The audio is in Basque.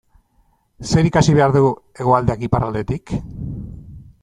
Zer ikasi behar du Hegoaldeak Iparraldetik?